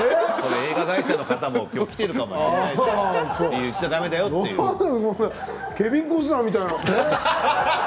映画会社の方も来てるかもしれないから言っちゃだめだ「ボディー・ガード」のケビン・コスナーみたい。